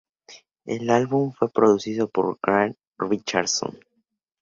El álbum fue producido por Garth Richardson.